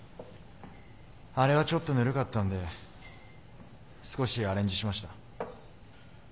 あれはちょっとヌルかったんで少しアレンジしました。